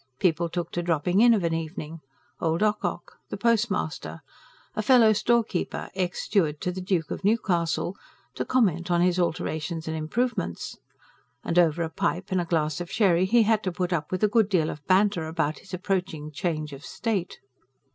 People took to dropping in of an evening old Ocock; the postmaster; a fellow storekeeper, ex steward to the Duke of Newcastle to comment on his alterations and improvements. And over a pipe and a glass of sherry, he had to put up with a good deal of banter about his approaching "change of state."